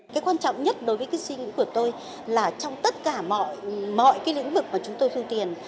cái quan trọng nhất đối với suy nghĩ của tôi là trong tất cả mọi lĩnh vực mà chúng tôi thu tiền